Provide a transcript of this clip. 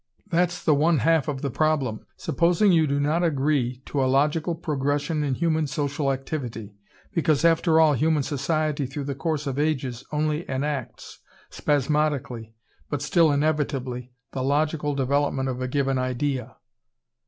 That's the one half of the problem: supposing you do not agree to a logical progression in human social activity. Because after all, human society through the course of ages only enacts, spasmodically but still inevitably, the logical development of a given idea."